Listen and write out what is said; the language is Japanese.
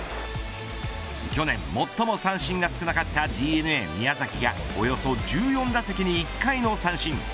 去年、最も三振が少なかったＤｅＮＡ宮崎がおよそ１４打席に１回の三振。